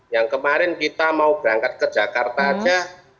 yang kemarin kita mau berangkat ke jakarta aja